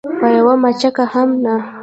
په یوه مچکه هم نه.